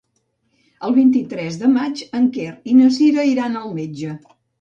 El vint-i-tres de maig en Quer i na Cira iran al metge.